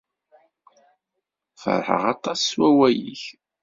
Ferḥeɣ aṭas s wawal-ik.